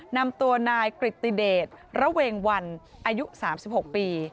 นำตัวนายกริติเดชระเวงวันอายุ๓๖ปี